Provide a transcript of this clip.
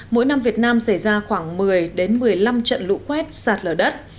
mỗi năm việt nam xảy ra khoảng một mươi một mươi năm trận lũ quét sạt lở đất